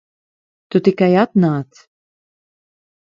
Tu tikai atnāc.